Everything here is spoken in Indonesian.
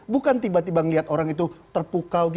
bukan tiba tiba ngelihat orang itu terpukau